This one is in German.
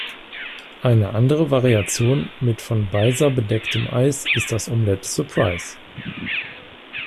Eine andere Variation mit von Baiser bedecktem Eis ist das Omelette surprise.